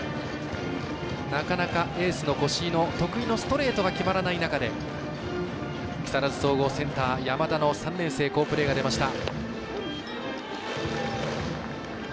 なかなか、エースの越井の得意のストレートが決まらない中で、木更津総合センター、山田の３年生好プレーが出ました。